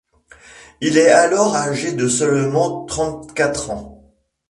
Il est alors âgé de seulement trente-quatre ans.